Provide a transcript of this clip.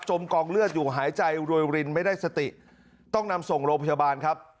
กองเลือดอยู่หายใจรวยรินไม่ได้สติต้องนำส่งโรงพยาบาลครับ